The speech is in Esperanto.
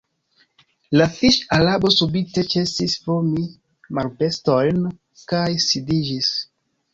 La fiŝ-Arabo subite ĉesis vomi marbestojn kaj sidiĝis.